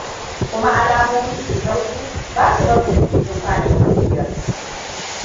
kuma alamomin cutar ku ba su barin ku cikin kwanaki biyar